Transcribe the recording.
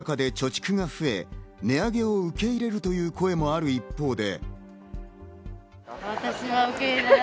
コロナ禍で貯蓄が増え、値上げを受け入れるという声もある一方で。